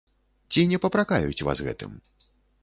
Ці не папракаюць вас гэтым?